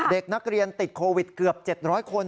เด็กนักเรียนติดโควิดเกือบ๗๐๐คน